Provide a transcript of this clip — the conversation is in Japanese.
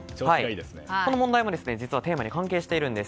この問題も、実はテーマに関係しているんです。